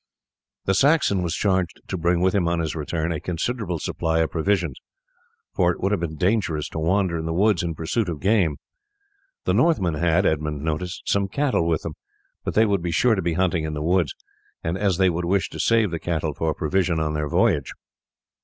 The Saxon was charged to bring with him on his return a considerable supply of provisions, for it would have been dangerous to wander in the woods in pursuit of game. The Northmen had, Edmund noticed, some cattle with them; but they would be sure to be hunting in the woods, as they would wish to save the cattle for provision on their voyage.